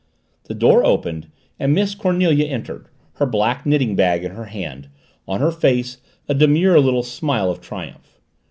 The door opened and Miss Cornelia entered, her black knitting bag in her hand, on her face a demure little smile of triumph.